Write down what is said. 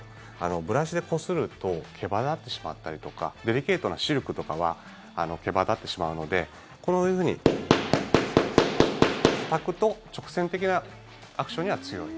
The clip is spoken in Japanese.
ブラシでこすると毛羽立ってしまったりとかデリケートなシルクとかは毛羽立ってしまうのでこういうふうにたたくと直線的なアクションには強い。